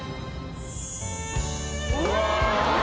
うわ！